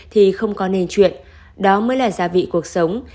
thì không có nên chuyện đó mới là gia vị cuộc sống